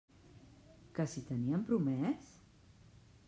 Que si tenien promès?